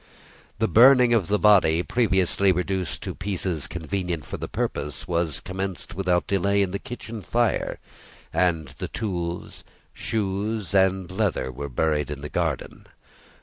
The burning of the body (previously reduced to pieces convenient for the purpose) was commenced without delay in the kitchen fire; and the tools, shoes, and leather, were buried in the garden.